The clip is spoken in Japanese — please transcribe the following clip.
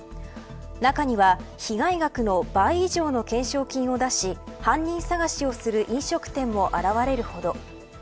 中には被害額の倍以上の懸賞金を出し犯人探しをする飲食店も現れるほど。